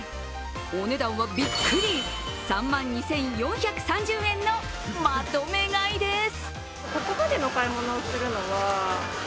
お値段はびっくり、３万２４３０円のまとめ買いです。